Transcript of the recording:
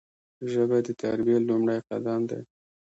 ژبه د تربیې لومړی قدم دی